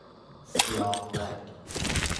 سیاه رگ